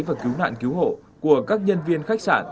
và cứu nạn cứu hộ của các nhân viên khách sạn